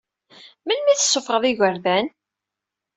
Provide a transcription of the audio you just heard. Melmi i tessuffɣeḍ igerdan?